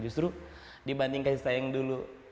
justru dibandingkan saya yang dulu